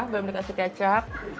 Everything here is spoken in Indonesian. belum dikasih kecap